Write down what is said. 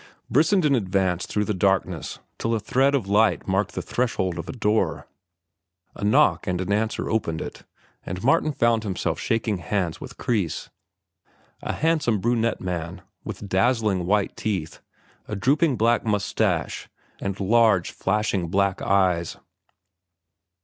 Brissenden advanced through the darkness till a thread of light marked the threshold of a door. A knock and an answer opened it, and Martin found himself shaking hands with Kreis, a handsome brunette man, with dazzling white teeth, a drooping black mustache, and large, flashing black eyes.